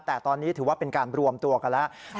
แต่ตอนนี้ถือว่าเป็นการรวมตัวกันแล้ว